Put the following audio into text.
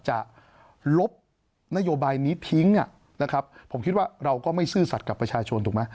จะลบนโยบายนี้ทิ้งนะครับผมคิดว่าเราก็ไม่ซื่อสัตว์กับประชาชนถูกไหม